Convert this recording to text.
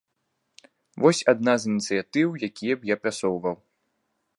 Вось адна з ініцыятыў, якія б я прасоўваў.